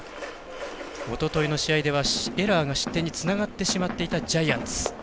おとといの試合ではエラーが失点につながったジャイアンツ。